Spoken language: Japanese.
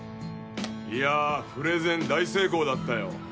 プレゼン大成功だったよ。